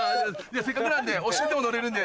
せっかくなんでお１人でも乗れるんで。